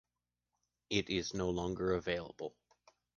It is no longer available.